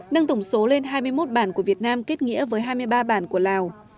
nâng tổng số lên hai mươi một bản của việt nam kết nghĩa với hai mươi ba bản của lào